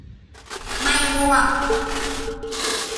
ไม่ง่วง